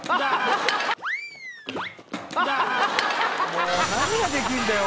もう何ができるんだよ